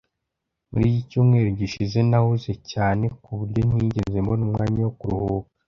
Muri iki cyumweru gishize nahuze cyane ku buryo ntigeze mbona umwanya wo kuruhuka.